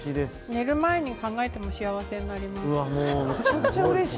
寝る前に考えても幸せになります。